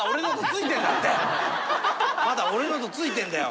まだオレのとついてんだよ。